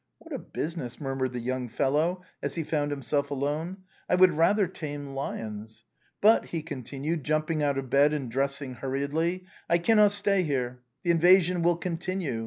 " What a business," murmured the young fellow, as 118 THE BOHEMIANS OF THE LATIN QUARTER. he found himself alone. " I would rather tame lions. But," he continued, jumping out of bed and dressing hur riedly, " I cannot stay here. The invasion will continue.